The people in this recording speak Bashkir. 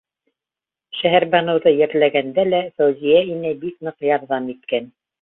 Шәһәрбаныуҙы ерләгәндә лә Фәүзиә инәй бик ныҡ ярҙам иткән.